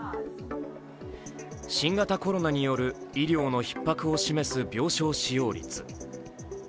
新型コロナによる医療のひっ迫を示す病床使用率。